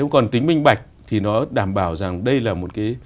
còn tính minh bạch thì nó đảm bảo rằng đây là một cái